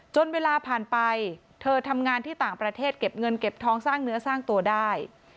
เวลาผ่านไปเธอทำงานที่ต่างประเทศเก็บเงินเก็บทองสร้างเนื้อสร้างตัวได้